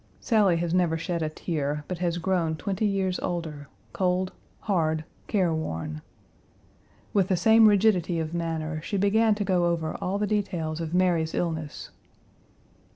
Sally has never shed a tear, but has grown twenty years older, cold, hard, careworn. With the same rigidity of manner, she began to go over all the details of Mary's illness.